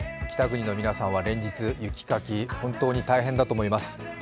北国の皆さんは連日、雪かき本当に大変だと思います。